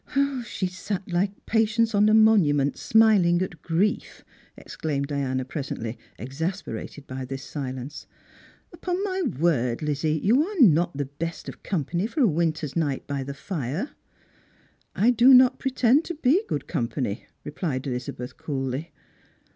"' She sat like Patience on a monument, smiling at grief,' " exclaimed Diana presently, exasperated by this silence. " Upon my word, Lizzie, you are not the best of company for a winter's ni ht by the fire." " I do not pretend to be good company," replied Elizabeth (sr^lly.